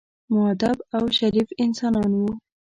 مودب او شریف انسانان وو.